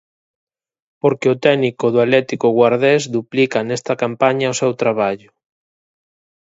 Porque o técnico do Atlético Guardés duplica nesta campaña o seu traballo.